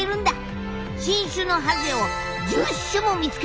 新種のハゼを１０種も見つけてるんだよ！